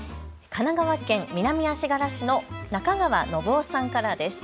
神奈川県南足柄市の中川宣雄さんからです。